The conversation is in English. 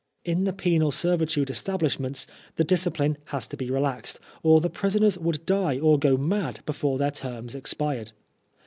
In the penal servitude establish ments the discipline has to be relaxed, or the prisoners would die or go mad before their terms expired.